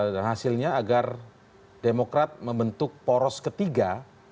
dan hasilnya agar demokrat membentuk poros ketiga